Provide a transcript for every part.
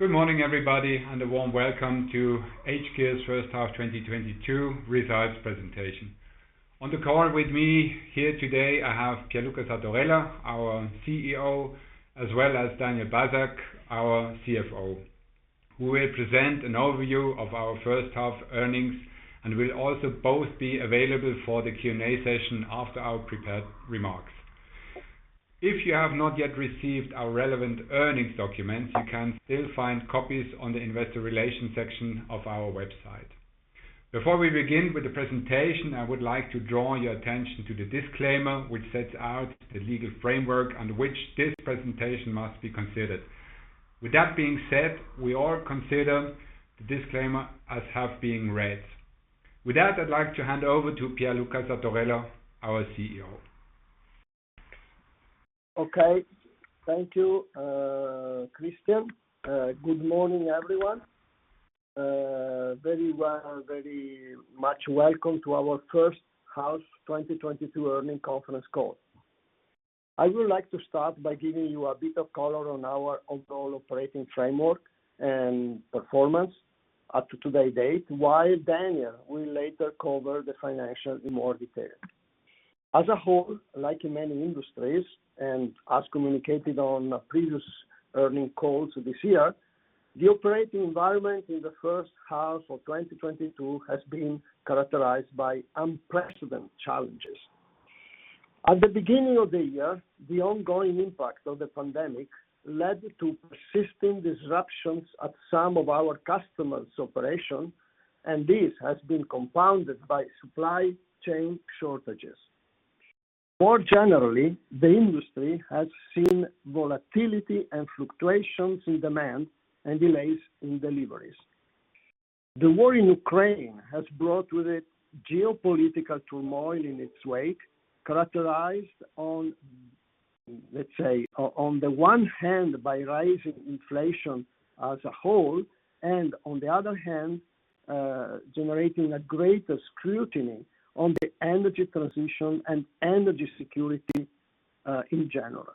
Good morning, everybody, and a warm welcome to hGears first half 2022 results presentation. On the call with me here today, I have Pierluca Sartorello, our CEO, as well as Daniel Basok, our CFO, who will present an overview of our first half earnings and will also both be available for the Q&A session after our prepared remarks. If you have not yet received our relevant earnings documents, you can still find copies on the Investor Relations section of our website. Before we begin with the presentation, I would like to draw your attention to the disclaimer, which sets out the legal framework under which this presentation must be considered. With that being said, we all consider the disclaimer as having been read. With that, I'd like to hand over to Pierluca Sartorello, our CEO. Okay. Thank you, Christian. Good morning, everyone. Very much welcome to our first hGears 2022 earnings conference call. I would like to start by giving you a bit of color on our overall operating framework and performance up to today's date, while Daniel will later cover the financials in more detail. As a whole, like in many industries, and as communicated on previous earnings calls this year, the operating environment in the first half of 2022 has been characterized by unprecedented challenges. At the beginning of the year, the ongoing impact of the pandemic led to persistent disruptions at some of our customers' operations, and this has been compounded by supply chain shortages. More generally, the industry has seen volatility and fluctuations in demand and delays in deliveries. The war in Ukraine has brought with it geopolitical turmoil in its wake, characterized, let's say, on the one hand by rising inflation as a whole and on the other hand, generating a greater scrutiny on the energy transition and energy security, in general.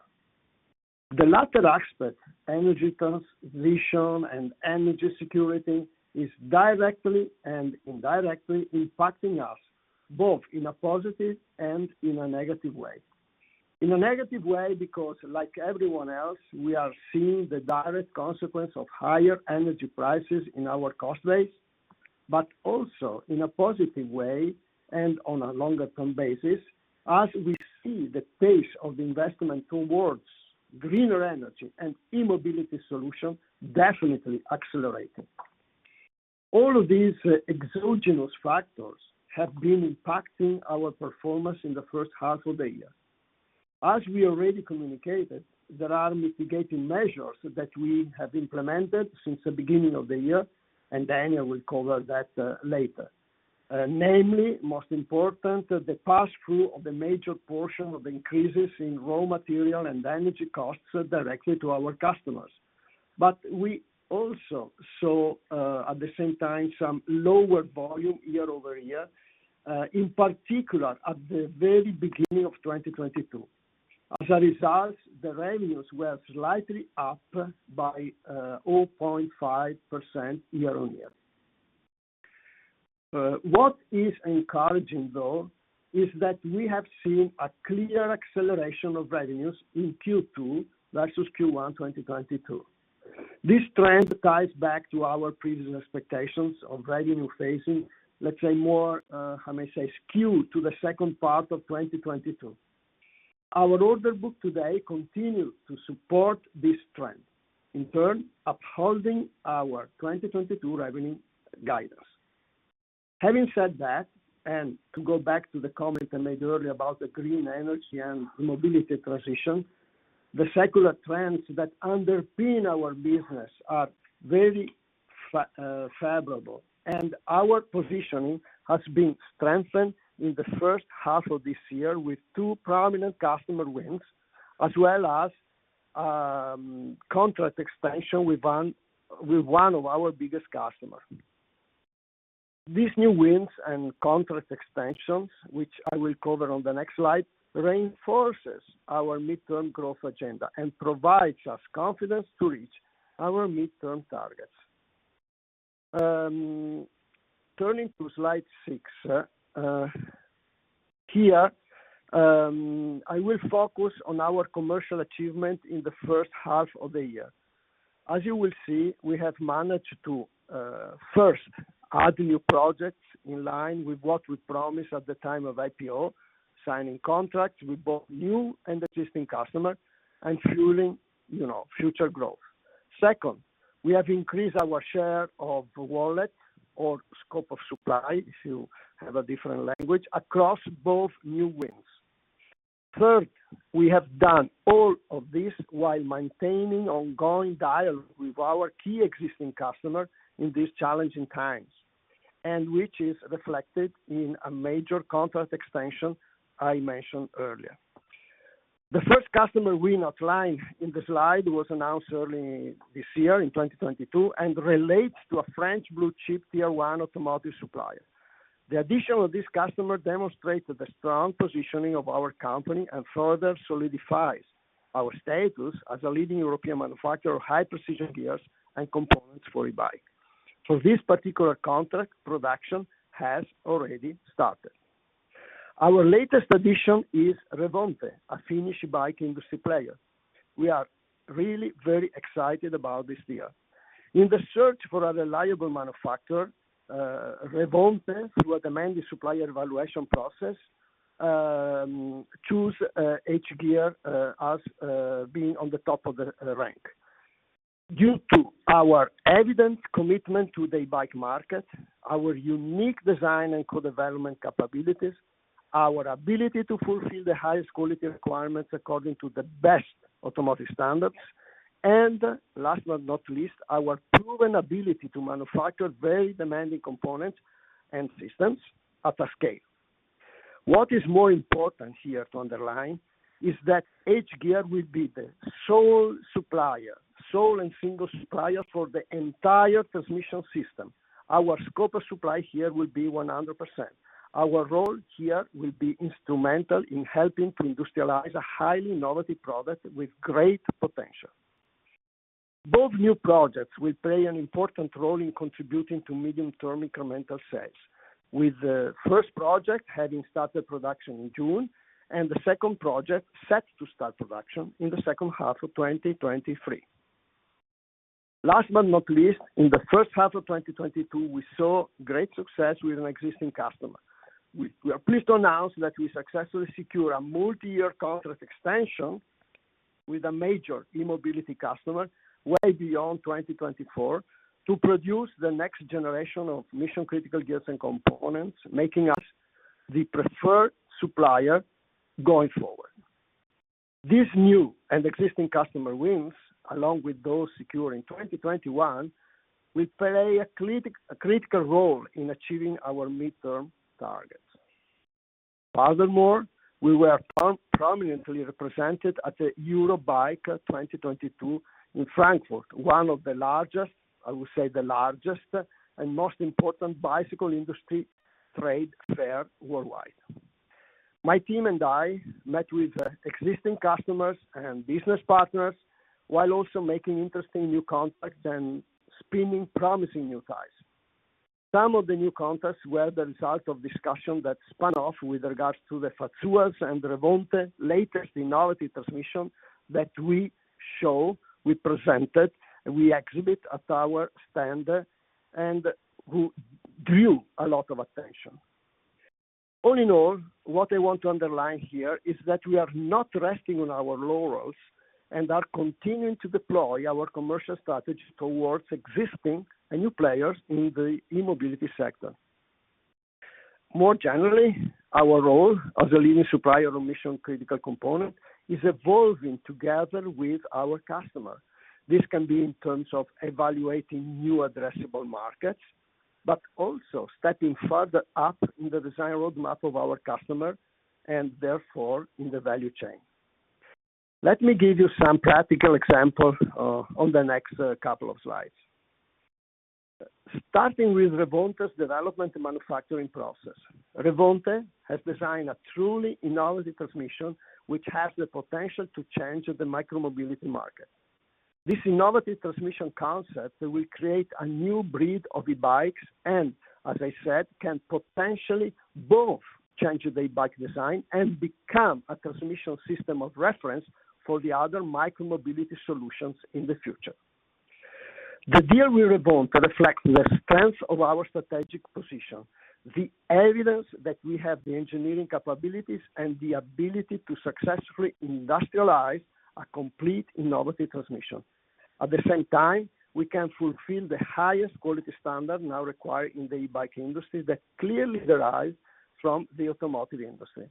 The latter aspect, energy transition and energy security, is directly and indirectly impacting us both in a positive and in a negative way. In a negative way because like everyone else, we are seeing the direct consequence of higher energy prices in our cost base, but also in a positive way and on a longer term basis, as we see the pace of investment towards greener energy and e-mobility solution definitely accelerating. All of these exogenous factors have been impacting our performance in the first half of the year. As we already communicated, there are mitigating measures that we have implemented since the beginning of the year, and Daniel will cover that later. Namely, most important, the pass-through of the major portion of increases in raw material and energy costs directly to our customers. We also saw, at the same time, some lower volume year-over-year, in particular at the very beginning of 2022. As a result, the revenues were slightly up by 0.5% year-on-year. What is encouraging, though, is that we have seen a clear acceleration of revenues in Q2 versus Q1, 2022. This trend ties back to our previous expectations of revenue phasing, let's say more, how might I say, skewed to the second part of 2022. Our order book today continued to support this trend, in turn, upholding our 2022 revenue guidance. Having said that, and to go back to the comment I made earlier about the green energy and e-mobility transition, the secular trends that underpin our business are very favorable, and our positioning has been strengthened in the first half of this year with two prominent customer wins, as well as, contract expansion with one of our biggest customer. These new wins and contract expansions, which I will cover on the next slide, reinforces our midterm growth agenda and provides us confidence to reach our midterm targets. Turning to slide six. Here, I will focus on our commercial achievement in the first half of the year. As you will see, we have managed to first, add new projects in line with what we promised at the time of IPO, signing contracts with both new and existing customer and fueling, you know, future growth. Second, we have increased our share of wallet or scope of supply, if you have a different language, across both new wins. Third, we have done all of this while maintaining ongoing dialogue with our key existing customer in these challenging times, and which is reflected in a major contract extension I mentioned earlier. The first customer win outlined in the slide was announced early this year in 2020 and relates to a French blue chip tier one automotive supplier. The addition of this customer demonstrated the strong positioning of our company and further solidifies our status as a leading European manufacturer of high precision gears and components for e-bike. For this particular contract, production has already started. Our latest addition is Revonte, a Finnish bike industry player. We are really very excited about this deal. In the search for a reliable manufacturer, Revonte, through a demanding supplier evaluation process, chose hGears as being on the top of the rank. Due to our evident commitment to the bike market, our unique design and co-development capabilities, our ability to fulfill the highest quality requirements according to the best automotive standards, and last but not least, our proven ability to manufacture very demanding components and systems at a scale. What is more important here to underline is that hGears will be the sole supplier, sole and single supplier for the entire transmission system. Our scope of supply here will be 100%. Our role here will be instrumental in helping to industrialize a highly novel product with great potential. Both new projects will play an important role in contributing to medium-term incremental sales, with the first project having started production in June, and the second project set to start production in the second half of 2023. Last but not least, in the first half of 2022, we saw great success with an existing customer. We are pleased to announce that we successfully secure a multi-year contract extension with a major e-mobility customer way beyond 2024 to produce the next generation of mission-critical gears and components, making us the preferred supplier going forward. These new and existing customer wins, along with those secured in 2021, will play a critical role in achieving our mid-term targets. Furthermore, we were prominently represented at the Eurobike 2022 in Frankfurt, one of the largest, I would say the largest and most important bicycle industry trade fair worldwide. My team and I met with existing customers and business partners while also making interesting new contacts and forging promising new ties. Some of the new contacts were the result of discussions that spun off with regards to Fazua's and Revonte's latest innovative transmission that we presented at our stand, which drew a lot of attention. All in all, what I want to underline here is that we are not resting on our laurels and are continuing to deploy our commercial strategy towards existing and new players in the e-mobility sector. More generally, our role as a leading supplier of mission-critical components is evolving together with our customers. This can be in terms of evaluating new addressable markets, but also stepping further up in the design roadmap of our customer and therefore in the value chain. Let me give you some practical examples on the next couple of slides. Starting with Revonte's development and manufacturing process. Revonte has designed a truly innovative transmission which has the potential to change the micromobility market. This innovative transmission concept will create a new breed of e-bikes and, as I said, can potentially both change the e-bike design and become a transmission system of reference for the other micromobility solutions in the future. The deal with Revonte reflects the strength of our strategic position, the evidence that we have the engineering capabilities and the ability to successfully industrialize a complete innovative transmission. At the same time, we can fulfill the highest quality standard now required in the e-bike industry that clearly derives from the automotive industry.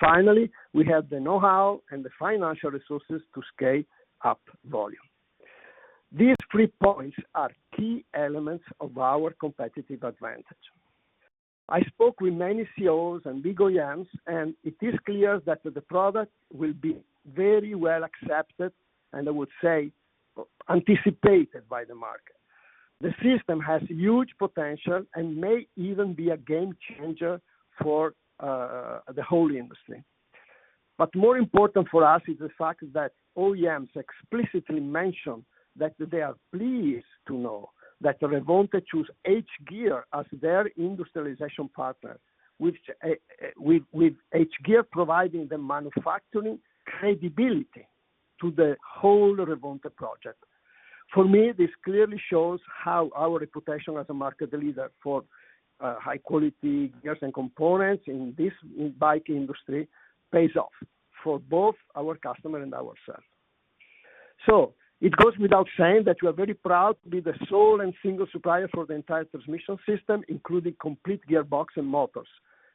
Finally, we have the know-how and the financial resources to scale up volume. These three points are key elements of our competitive advantage. I spoke with many CEOs and big OEMs, and it is clear that the product will be very well accepted, and I would say anticipated by the market. The system has huge potential and may even be a game changer for the whole industry. More important for us is the fact that OEMs explicitly mention that they are pleased to know that Revonte choose hGears as their industrialization partner, which with hGears providing the manufacturing credibility to the whole Revonte project. For me, this clearly shows how our reputation as a market leader for high quality gears and components in this e-bike industry pays off for both our customer and ourselves. It goes without saying that we are very proud to be the sole and single supplier for the entire transmission system, including complete gearbox and motors.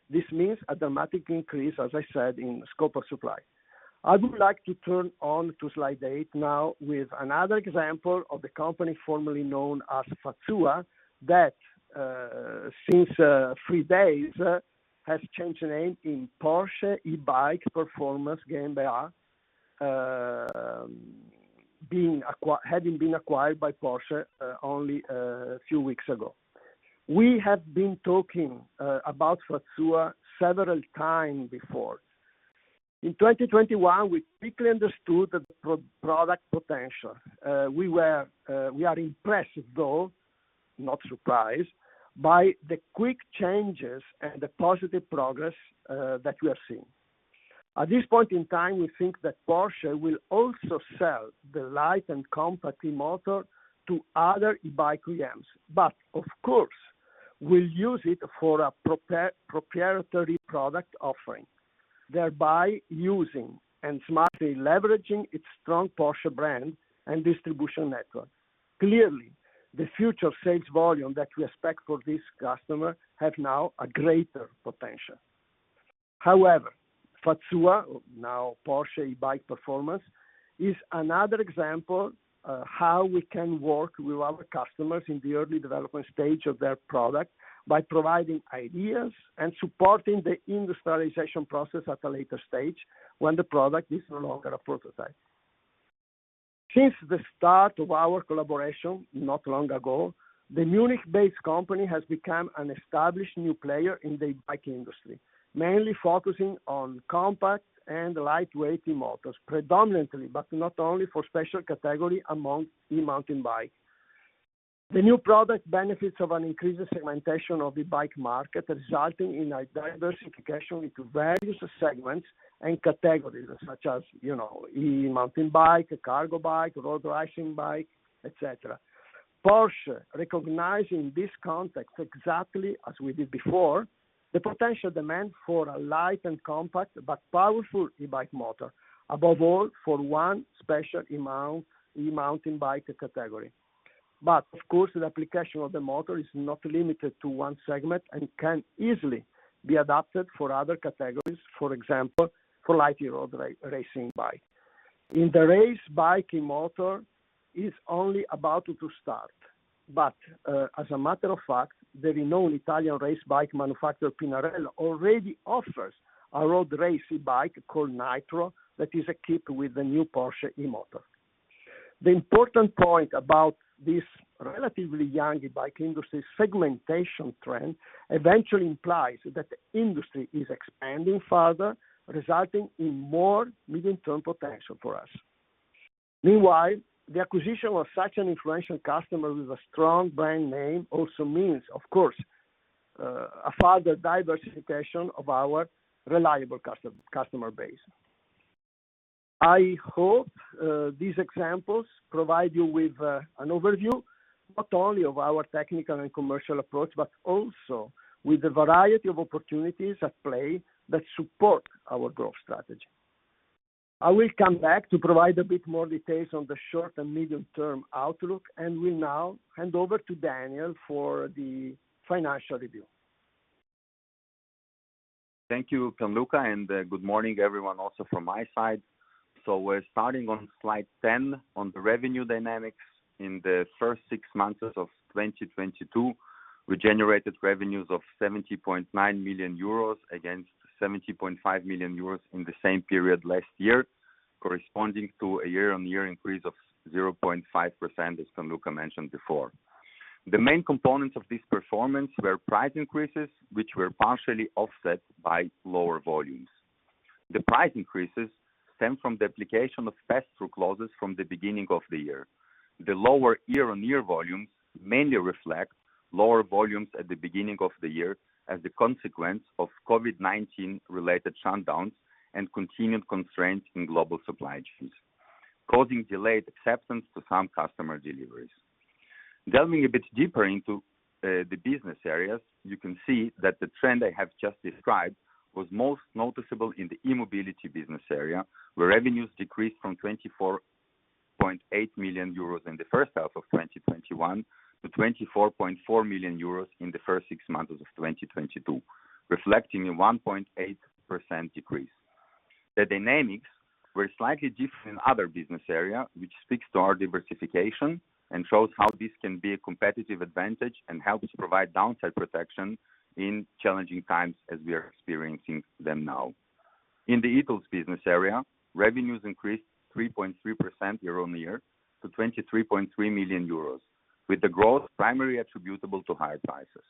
This means a dramatic increase, as I said, in scope of supply. I would like to turn to slide eight now with another example of the company formerly known as Fazua, that since three days has changed the name to Porsche eBike Performance GmbH, having been acquired by Porsche only a few weeks ago. We have been talking about Fazua several times before. In 2021, we quickly understood the product potential. We are impressed, though not surprised, by the quick changes and the positive progress that we are seeing. At this point in time, we think that Porsche will also sell the light and compact e-motor to other e-bike OEMs, but of course, we'll use it for a proprietary product offering, thereby using and smartly leveraging its strong Porsche brand and distribution network. Clearly, the future sales volume that we expect for this customer have now a greater potential. However, Fazua, now Porsche eBike Performance, is another example how we can work with our customers in the early development stage of their product by providing ideas and supporting the industrialization process at a later stage when the product is no longer a prototype. Since the start of our collaboration not long ago, the Munich-based company has become an established new player in the e-bike industry, mainly focusing on compact and lightweight e-motors, predominantly, but not only for special category among e-mountain bike. The new product benefits from an increased segmentation of e-bike market, resulting in a diversification into various segments and categories such as, you know, e-mountain bike, cargo bike, road racing bike, et cetera. Porsche, recognizing this context exactly as we did before, the potential demand for a light and compact but powerful e-bike motor, above all, for one special e-mountain bike category. Of course, the application of the motor is not limited to one segment and can easily be adapted for other categories, for example, for light road racing bike. In the racing bike motor is only about to start. As a matter of fact, the renowned Italian race bike manufacturer, Pinarello, already offers a road race e-bike called Nytro that is equipped with the new Porsche e-motor. The important point about this relatively young e-bike industry segmentation trend eventually implies that the industry is expanding further, resulting in more medium-term potential for us. Meanwhile, the acquisition of such an influential customer with a strong brand name also means, of course, a further diversification of our reliable customer base. I hope these examples provide you with an overview, not only of our technical and commercial approach, but also with the variety of opportunities at play that support our growth strategy. I will come back to provide a bit more details on the short and medium term outlook, and will now hand over to Daniel for the financial review. Thank you, Pierluca, and good morning everyone, also from my side. We're starting on slide 10 on the revenue dynamics. In the first six months of 2022, we generated revenues of 70.9 million euros against 70.5 million euros in the same period last year, corresponding to a year-on-year increase of 0.5%, as Pierluca mentioned before. The main components of this performance were price increases, which were partially offset by lower volumes. The price increases stem from the application of pass-through clauses from the beginning of the year. The lower year-on-year volumes mainly reflect lower volumes at the beginning of the year as a consequence of COVID-19-related shutdowns and continued constraints in global supply chains, causing delayed acceptance to some customer deliveries. Delving a bit deeper into the business areas, you can see that the trend I have just described was most noticeable in the e-mobility business area, where revenues decreased from 24.8 million euros in the first half of 2021 to 24.4 million euros in the first six months of 2022, reflecting a 1.8% decrease. The dynamics were slightly different in other business area, which speaks to our diversification and shows how this can be a competitive advantage and helps provide downside protection in challenging times as we are experiencing them now. In the e-tools business area, revenues increased 3.3% year-on-year to 23.3 million euros, with the growth primarily attributable to higher prices.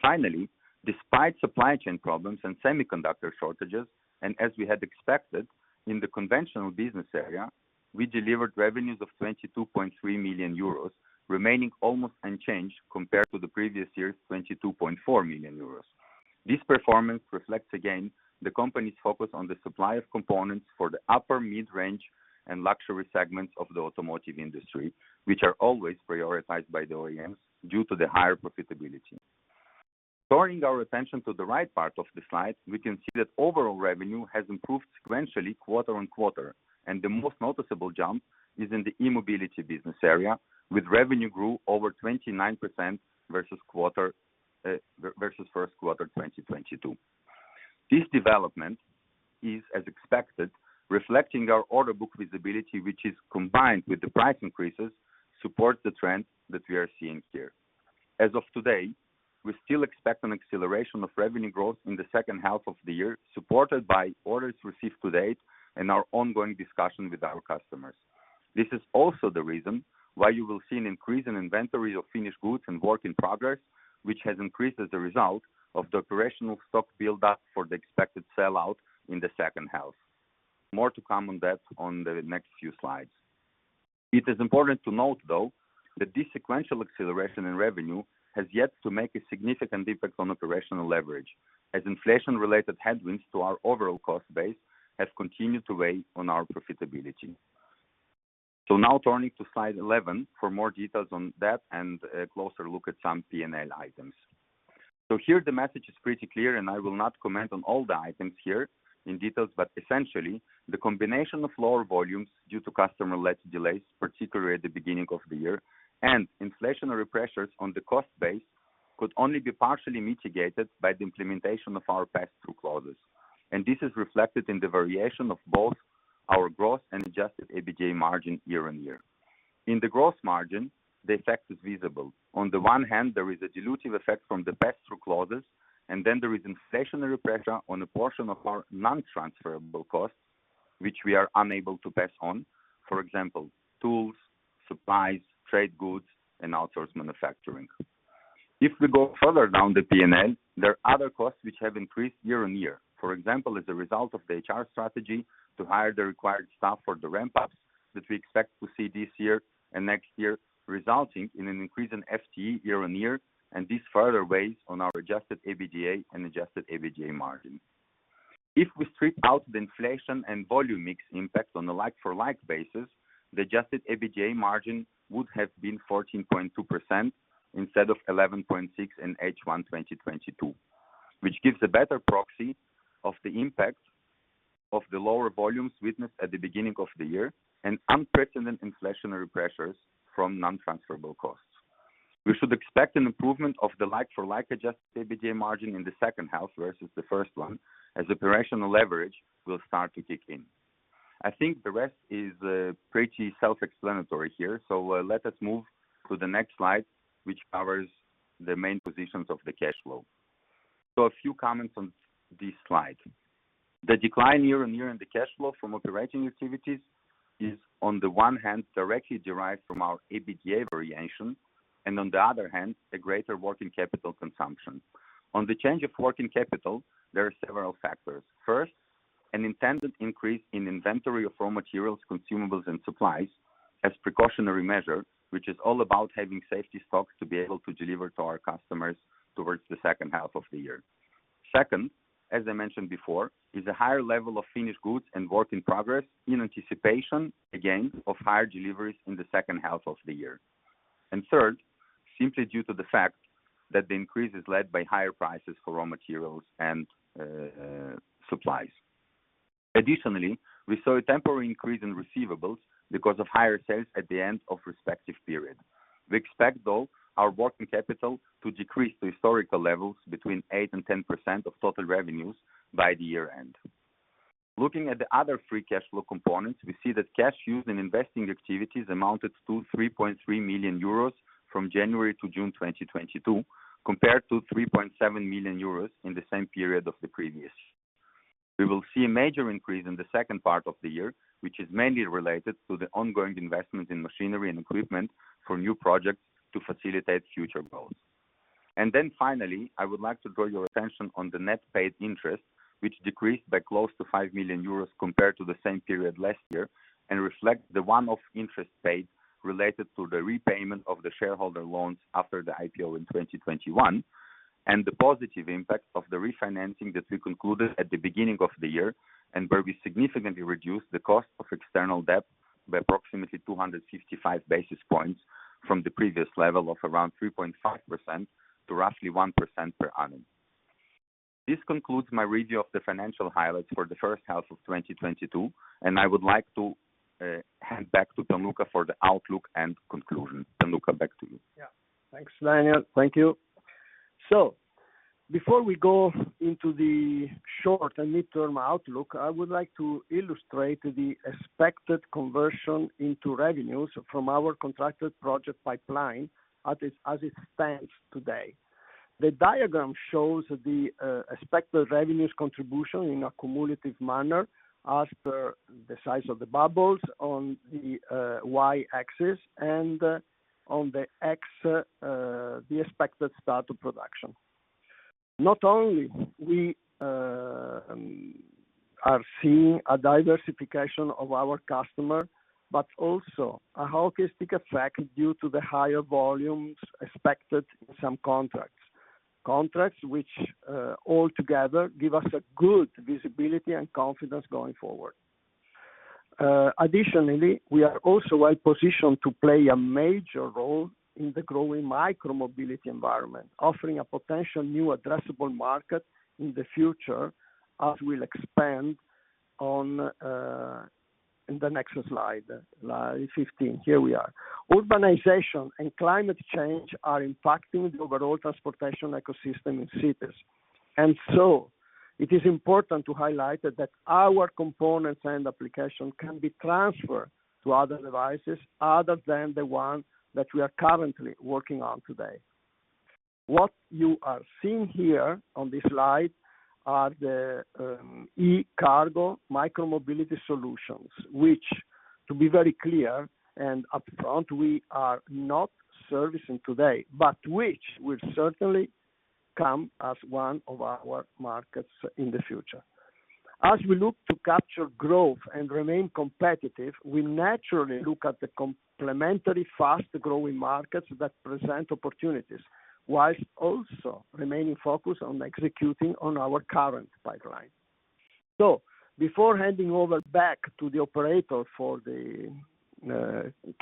Finally, despite supply chain problems and semiconductor shortages, and as we had expected in the conventional business area, we delivered revenues of 22.3 million euros, remaining almost unchanged compared to the previous year's 22.4 million euros. This performance reflects again the company's focus on the supply of components for the upper mid-range and luxury segments of the automotive industry, which are always prioritized by the OEMs due to the higher profitability. Turning our attention to the right part of the slide, we can see that overall revenue has improved sequentially quarter-on-quarter, and the most noticeable jump is in the e-mobility business area, with revenue grew over 29% versus quarter, versus first quarter 2022. This development is as expected, reflecting our order book visibility, which is combined with the price increases, supports the trends that we are seeing here. As of today, we still expect an acceleration of revenue growth in the second half of the year, supported by orders received to date and our ongoing discussion with our customers. This is also the reason why you will see an increase in inventory of finished goods and work in progress, which has increased as a result of the operational stock build-up for the expected sell out in the second half. More to come on that on the next few slides. It is important to note, though, that this sequential acceleration in revenue has yet to make a significant impact on operational leverage, as inflation-related headwinds to our overall cost base has continued to weigh on our profitability. Now turning to slide 11 for more details on that and a closer look at some P&L items. Here the message is pretty clear, and I will not comment on all the items here in details, but essentially the combination of lower volumes due to customer-led delays, particularly at the beginning of the year, and inflationary pressures on the cost base could only be partially mitigated by the implementation of our pass-through clauses. This is reflected in the variation of both our growth and adjusted EBITDA margin year-on-year. In the gross margin, the effect is visible. On the one hand, there is a dilutive effect from the pass-through clauses, and then there is inflationary pressure on a portion of our non-transferable costs, which we are unable to pass on. For example, tools, supplies, trade goods and outsourced manufacturing. If we go further down the P&L, there are other costs which have increased year-on-year. For example, as a result of the HR strategy to hire the required staff for the ramp ups that we expect to see this year and next year, resulting in an increase in FTE year-on-year and this further weighs on our adjusted EBITDA and adjusted EBITDA margin. If we strip out the inflation and volume mix impacts on the like-for-like basis, the adjusted EBITDA margin would have been 14.2% instead of 11.6% in H1 2022, which gives a better proxy of the impact of the lower volumes witnessed at the beginning of the year and unprecedented inflationary pressures from non-transferable costs. We should expect an improvement of the like-for-like adjusted EBITDA margin in the second half versus the first one, as operational leverage will start to kick in. I think the rest is pretty self-explanatory here. Let us move to the next slide, which covers the main positions of the cash flow. A few comments on this slide. The decline year-on-year in the cash flow from operating activities is, on the one hand, directly derived from our EBITDA variation and on the other hand, a greater working capital consumption. On the change of working capital, there are several factors. First, an intended increase in inventory of raw materials, consumables and supplies as precautionary measure, which is all about having safety stocks to be able to deliver to our customers towards the second half of the year. Second, as I mentioned before, is a higher level of finished goods and work in progress in anticipation, again, of higher deliveries in the second half of the year. Third, simply due to the fact that the increase is led by higher prices for raw materials and supplies. Additionally, we saw a temporary increase in receivables because of higher sales at the end of respective period. We expect, though, our working capital to decrease to historical levels between 8% and 10% of total revenues by the year end. Looking at the other free cash flow components, we see that cash used in investing activities amounted to 3.3 million euros from January to June 2022, compared to 3.7 million euros in the same period of the previous. We will see a major increase in the second part of the year, which is mainly related to the ongoing investment in machinery and equipment for new projects to facilitate future growth. Finally, I would like to draw your attention on the net paid interest, which decreased by close to 5 million euros compared to the same period last year, and reflects the one-off interest paid related to the repayment of the shareholder loans after the IPO in 2021, and the positive impact of the refinancing that we concluded at the beginning of the year, and where we significantly reduced the cost of external debt by approximately 255 basis points from the previous level of around 3.5% to roughly 1% per annum. This concludes my review of the financial highlights for the first half of 2022, and I would like to hand back to Pierluca for the outlook and conclusion. Pierluca, back to you. Yeah. Thanks, Daniel. Thank you. Before we go into the short and midterm outlook, I would like to illustrate the expected conversion into revenues from our contracted project pipeline as it stands today. The diagram shows the expected revenues contribution in a cumulative manner as per the size of the bubbles on the Y-axis and on the X-axis the expected start of production. Not only we are seeing a diversification of our customer, but also a holistic effect due to the higher volumes expected in some contracts. Contracts which all together give us a good visibility and confidence going forward. Additionally, we are also well-positioned to play a major role in the growing micromobility environment, offering a potential new addressable market in the future, as we'll expand on in the next slide 15. Here we are. Urbanization and climate change are impacting the overall transportation ecosystem in cities. It is important to highlight that our components and application can be transferred to other devices other than the ones that we are currently working on today. What you are seeing here on this slide are the e-cargo micromobility solutions, which to be very clear and upfront, we are not servicing today, but which will certainly come as one of our markets in the future. As we look to capture growth and remain competitive, we naturally look at the complementary fast-growing markets that present opportunities, while also remaining focused on executing on our current pipeline. Before handing over back to the operator for the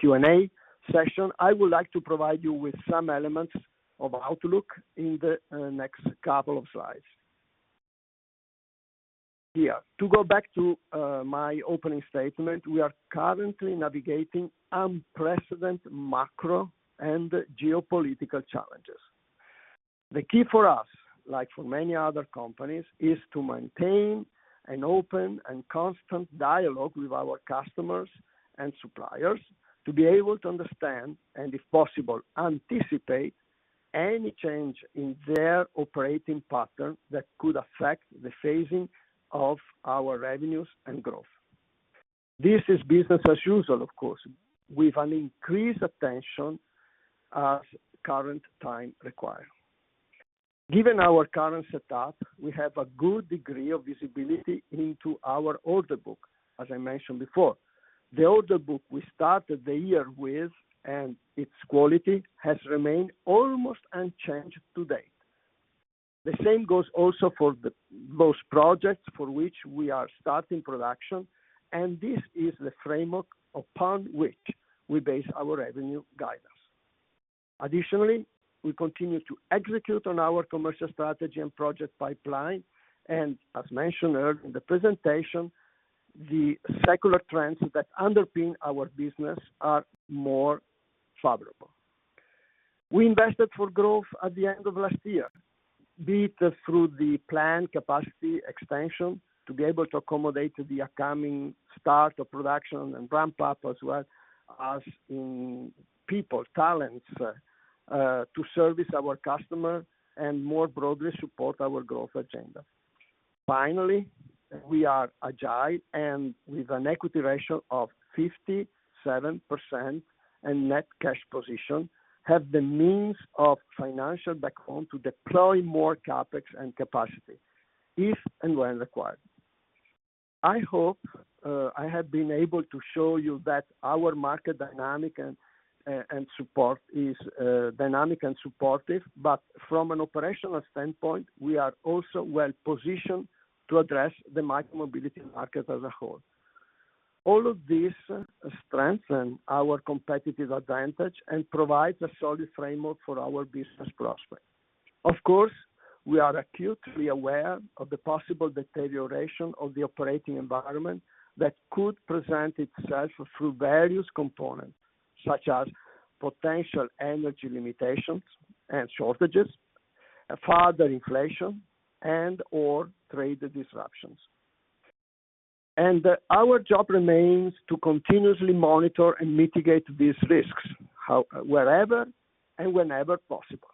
Q&A session, I would like to provide you with some elements of outlook in the next couple of slides. Here, to go back to my opening statement. We are currently navigating unprecedented macro and geopolitical challenges. The key for us, like for many other companies, is to maintain an open and constant dialogue with our customers and suppliers to be able to understand and if possible, anticipate any change in their operating pattern that could affect the phasing of our revenues and growth. This is business as usual, of course, with an increased attention as current times require. Given our current setup, we have a good degree of visibility into our order book, as I mentioned before. The order book we started the year with and its quality has remained almost unchanged to date. The same goes also for the most projects for which we are starting production, and this is the framework upon which we base our revenue guidance. Additionally, we continue to execute on our commercial strategy and project pipeline, and as mentioned earlier in the presentation, the secular trends that underpin our business are more favorable. We invested for growth at the end of last year, be it through the planned capacity expansion to be able to accommodate the upcoming start of production and ramp up, as well as in people, talents, to service our customer and more broadly support our growth agenda. Finally, we are agile and with an equity ratio of 57% and net cash position, have the means of financial backbone to deploy more CapEx and capacity if and when required. I hope I have been able to show you that our market dynamic and support is dynamic and supportive. But from an operational standpoint, we are also well-positioned to address the micromobility market as a whole. All of this strengthen our competitive advantage and provides a solid framework for our business prospects. Of course, we are acutely aware of the possible deterioration of the operating environment that could present itself through various components such as potential energy limitations and shortages, further inflation and/or trade disruptions. Our job remains to continuously monitor and mitigate these risks wherever and whenever possible.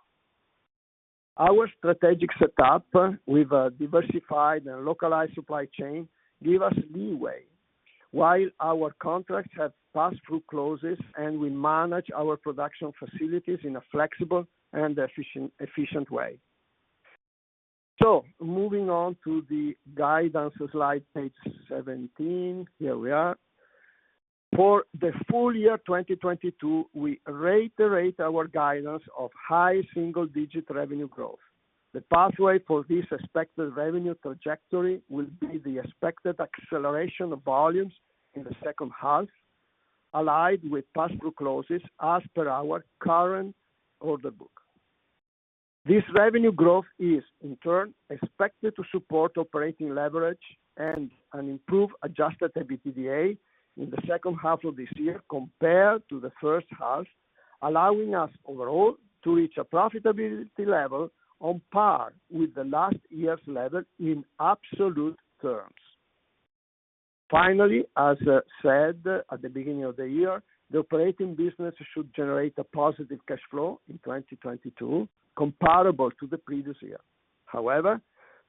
Our strategic setup with a diversified and localized supply chain give us leeway while our contracts have pass-through clauses and we manage our production facilities in a flexible and efficient way. Moving on to the guidance slide, page 17. Here we are. For the full year 2022, we reiterate our guidance of high single-digit revenue growth. The pathway for this expected revenue trajectory will be the expected acceleration of volumes in the second half, allied with pass-through clauses as per our current order book. This revenue growth is in turn expected to support operating leverage and an improved adjusted EBITDA in the second half of this year compared to the first half, allowing us overall to reach a profitability level on par with the last year's level in absolute terms. Finally, as said at the beginning of the year, the operating business should generate a positive cash flow in 2022 comparable to the previous year. However,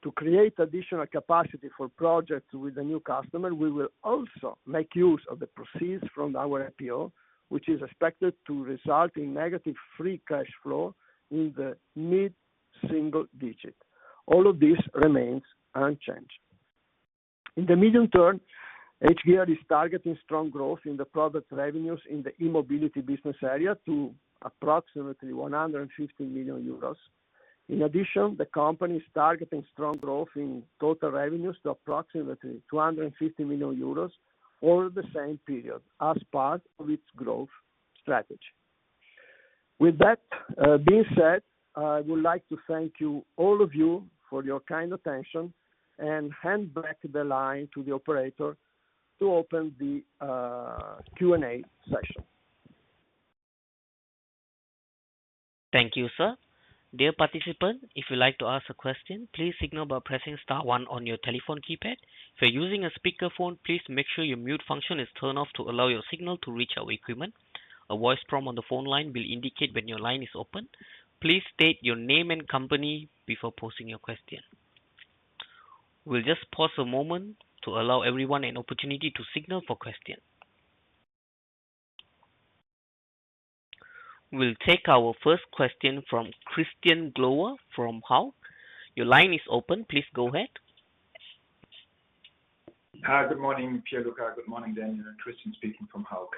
to create additional capacity for projects with the new customer, we will also make use of the proceeds from our IPO, which is expected to result in negative free cash flow in the mid-single digits. All of this remains unchanged. In the medium term, hGears is targeting strong growth in the product revenues in the e-mobility business area to approximately 150 million euros. In addition, the company is targeting strong growth in total revenues to approximately 250 million euros over the same period as part of its growth strategy. With that, being said, I would like to thank you, all of you for your kind attention and hand back the line to the operator to open the Q&A session. Thank you, sir. Dear participant, if you'd like to ask a question, please signal by pressing star one on your telephone keypad. If you're using a speakerphone, please make sure your mute function is turned off to allow your signal to reach our equipment. A voice prompt on the phone line will indicate when your line is open. Please state your name and company before posing your question. We'll just pause a moment to allow everyone an opportunity to signal for question. We'll take our first question from Christian Glowa from Hauck. Your line is open. Please go ahead. Hi. Good morning, Pierluca. Good morning, Daniel. Christian speaking from Hauck.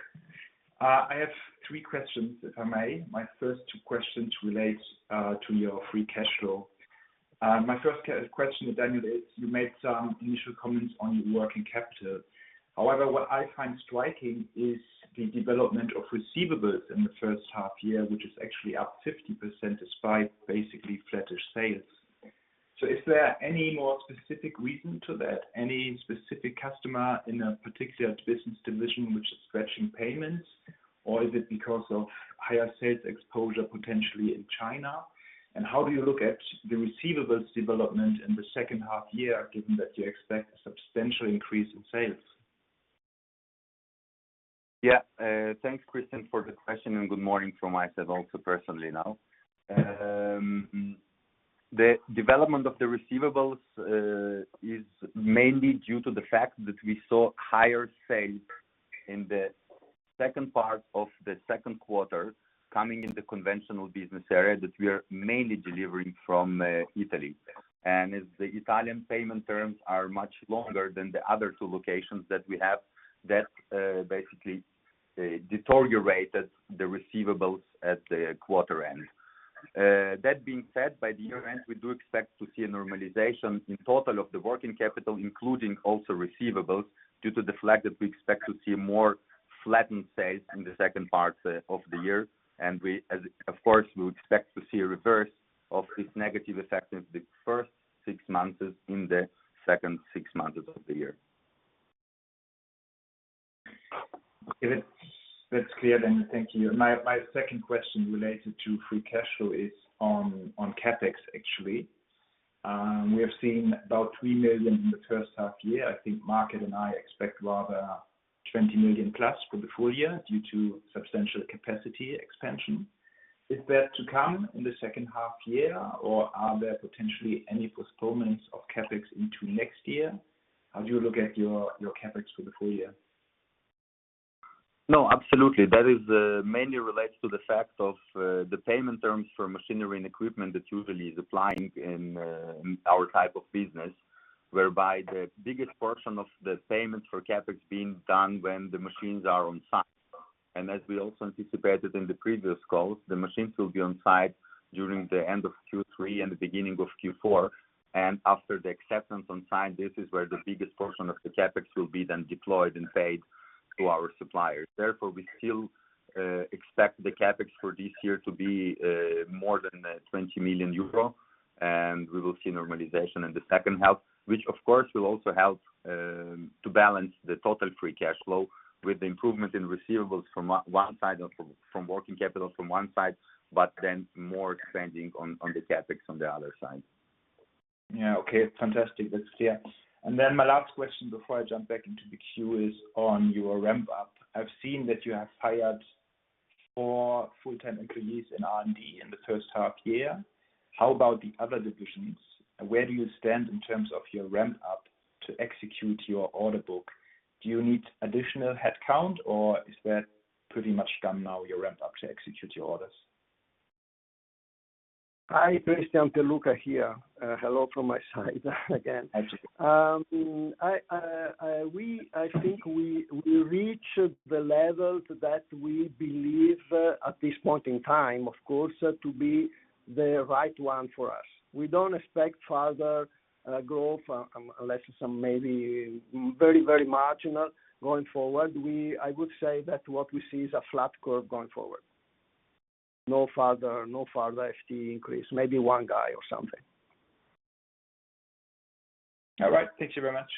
I have three questions, if I may. My first two questions relates to your free cash flow. My first question, Daniel, is you made some initial comments on your working capital. However, what I find striking is the development of receivables in the first half year, which is actually up 50% despite basically flattish sales. Is there any more specific reason to that? Any specific customer in a particular business division which is stretching payments? Or is it because of higher sales exposure potentially in China? How do you look at the receivables development in the second half year, given that you expect a substantial increase in sales? Yeah. Thanks, Christian, for the question, and good morning from [myself also personally now]. The development of the receivables is mainly due to the fact that we saw higher sales in the second part of the second quarter coming in the conventional business area that we are mainly delivering from Italy. As the Italian payment terms are much longer than the other two locations that we have, that basically deteriorated the receivables at the quarter end. That being said, by the year end, we do expect to see a normalization in total of the working capital, including also receivables, due to the fact that we expect to see more flattened sales in the second part of the year. Of course, we expect to see a reverse of this negative effect in the first six months, in the second six months of the year. Okay, that's clear, then thank you. My second question related to free cash flow is on CapEx, actually. We have seen about 3 million in the first half year. I think market and I expect rather 20 million plus for the full year due to substantial capacity expansion. Is that to come in the second half year or are there potentially any postponements of CapEx into next year? How do you look at your CapEx for the full year? No, absolutely. That is, mainly relates to the fact of, the payment terms for machinery and equipment that usually is applying in, our type of business, whereby the biggest portion of the payment for CapEx being done when the machines are on site. As we also anticipated in the previous calls, the machines will be on site during the end of Q3 and the beginning of Q4. After the acceptance on site, this is where the biggest portion of the CapEx will be then deployed and paid to our suppliers. Therefore, we still expect the CapEx for this year to be more than 20 million euro, and we will see normalization in the second half, which of course will also help to balance the total free cash flow with the improvement in receivables from one side or from working capital from one side, but then more expanding on the CapEx on the other side. Yeah. Okay. Fantastic. That's clear. Then my last question before I jump back into the queue is on your ramp up. I've seen that you have hired four full-time employees in R&D in the first half year. How about the other divisions? Where do you stand in terms of your ramp up to execute your order book? Do you need additional headcount, or is that pretty much done now, your ramp up to execute your orders? Hi, Christian. Pierluca here. Hello from my side again. I think we reached the level that we believe at this point in time, of course, to be the right one for us. We don't expect further growth unless some maybe very, very marginal going forward. I would say that what we see is a flat curve going forward. No further FTE increase. Maybe one guy or something. All right. Thank you very much.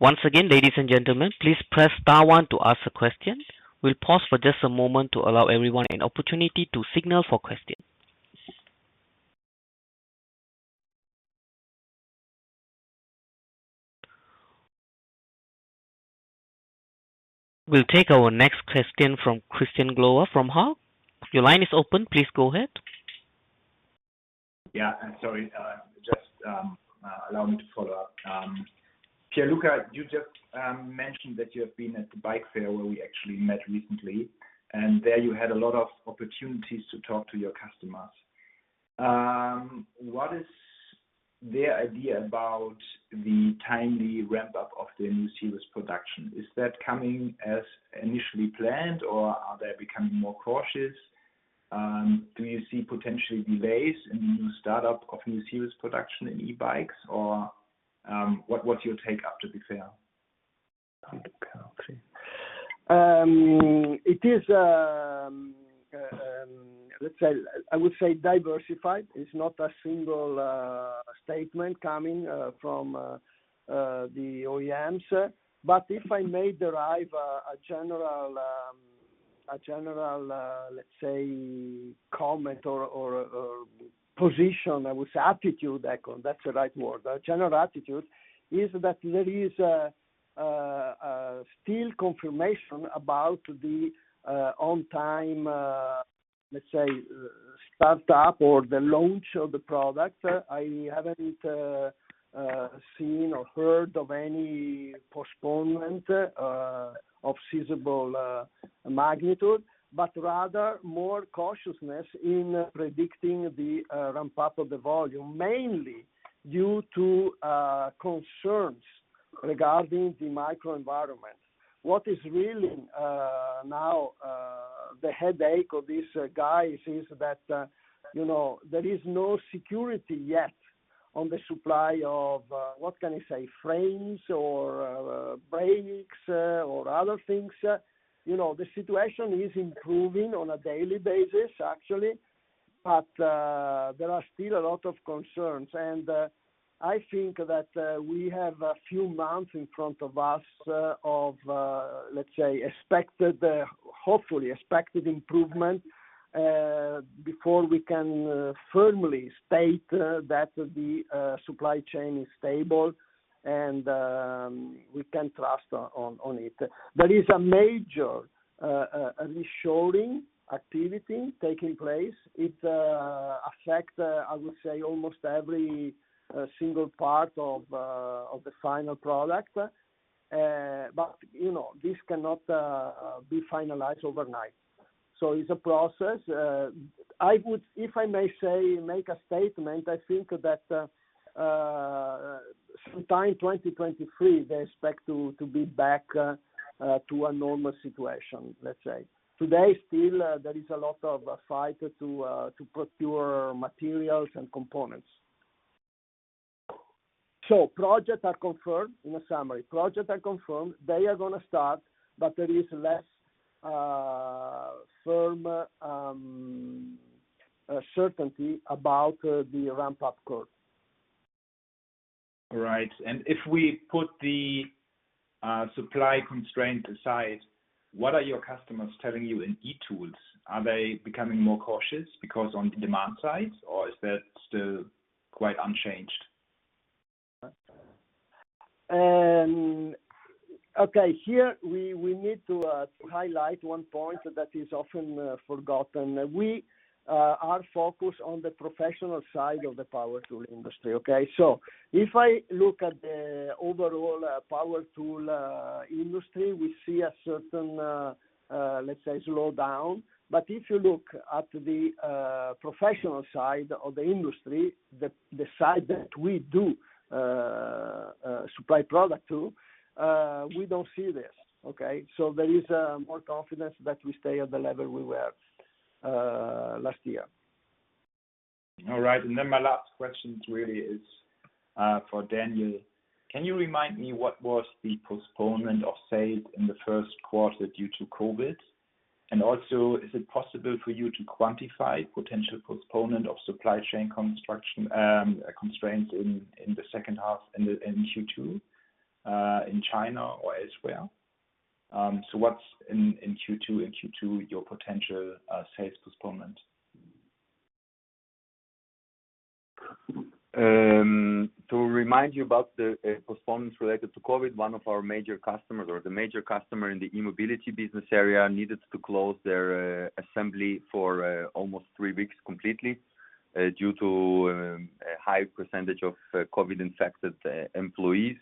Once again, ladies and gentlemen, please press star one to ask a question. We'll pause for just a moment to allow everyone an opportunity to signal for question. We'll take our next question from Christian Glowa from Hauck. Your line is open. Please go ahead. Yeah. I'm sorry. Allow me to follow-up. Pierluca, you just mentioned that you have been at the bike fair where we actually met recently, and there you had a lot of opportunities to talk to your customers. What is their idea about the timely ramp-up of the new series production? Is that coming as initially planned, or are they becoming more cautious? Do you see potential delays in the new startup of new series production in e-bikes or, what's your take after the fair? It is, let's say, I would say diversified. It's not a single statement coming from the OEMs. If I may derive a general, let's say comment or position, I would say attitude. [Beckon], that's the right word. A general attitude is that there is still confirmation about the on-time, let's say, startup or the launch of the product. I haven't seen or heard of any postponement of feasible magnitude, but rather more cautiousness in predicting the ramp-up of the volume, mainly due to concerns regarding the macro environment. What is really now the headache of these guys is that, you know, there is no security yet on the supply of, what can I say, frames or brakes or other things. You know, the situation is improving on a daily basis, actually, but there are still a lot of concerns. I think that we have a few months in front of us of, let's say, expected, hopefully expected improvement before we can firmly state that the supply chain is stable and we can trust on it. There is a major reshoring activity taking place. It affects, I would say, almost every single part of the final product. But you know, this cannot be finalized overnight. It's a process. If I may say, make a statement, I think that sometime 2023, they expect to be back to a normal situation, let's say. Today, still, there is a lot of fight to procure materials and components. Projects are confirmed. In a summary, projects are confirmed, they are gonna start, but there is less firm certainty about the ramp-up curve. All right. If we put the supply constraint aside, what are your customers telling you in e-tools? Are they becoming more cautious because on the demand side, or is that still quite unchanged? Okay, here we need to highlight one point that is often forgotten. We are focused on the professional side of the power tool industry, okay? If I look at the overall power tool industry, we see a certain, let's say, slowdown. If you look at the professional side of the industry, the side that we do supply product to, we don't see this, okay? There is more confidence that we stay at the level we were last year. All right. My last question really is for Daniel. Can you remind me what was the postponement of sales in the first quarter due to COVID? Also, is it possible for you to quantify potential postponement of supply chain constraints in the second half in Q2 in China or as well? What's in Q2 your potential sales postponement? To remind you about the performance related to COVID, one of our major customers or the major customer in the e-mobility business area needed to close their assembly for almost three weeks completely due to a high percentage of COVID-infected employees.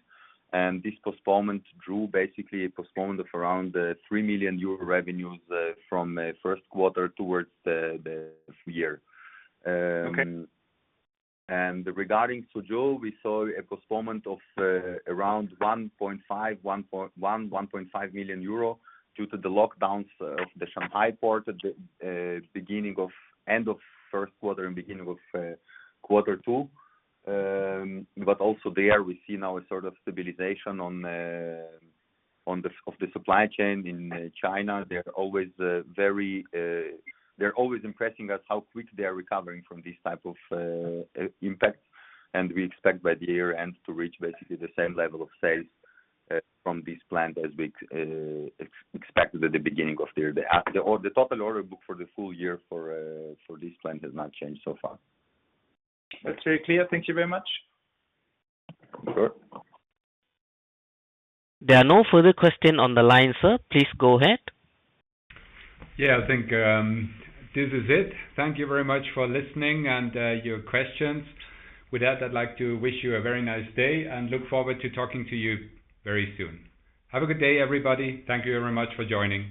This postponement drew basically a postponement of around 3 million euro revenues from first quarter towards the year. Regarding Suzhou, we saw a postponement of around [1.1] million, ER 1.5 million due to the lockdowns of the Shanghai port at the end of first quarter and beginning of quarter two. But also there, we see now a sort of stabilization of the supply chain in China. They're always impressing us how quick they are recovering from this type of impact. We expect by the year-end to reach basically the same level of sales from this plant as we expected at the beginning of the year. The total order book for the full year for this plant has not changed so far. That's very clear. Thank you very much. There are no further questions on the line, sir. Please go ahead. Yeah. I think this is it. Thank you very much for listening and your questions. With that, I'd like to wish you a very nice day and look forward to talking to you very soon. Have a good day, everybody. Thank you very much for joining.